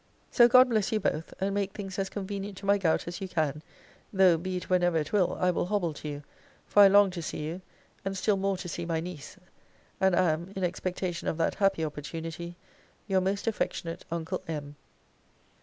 So God bless you both; and make things as convenient to my gout as you can; though, be it whenever it will, I will hobble to you; for I long to see you; and still more to see my niece; and am (in expectation of that happy opportunity) Your most affectionate Uncle M.